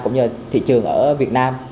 cũng như thị trường ở việt nam